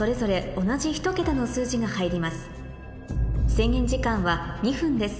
制限時間は２分です